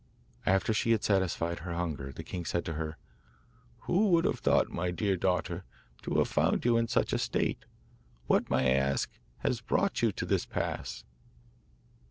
After she had satisfied her hunger, the king said to her: 'Who would have thought, my dear daughter, to have found you in such a state? What, may I ask, has brought you to this pass?